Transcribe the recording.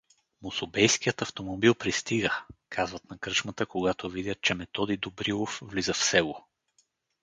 „Мусубейският автомобил пристига!“— казват на кръчмата, когато видят че Методи Добрилов влиза в село.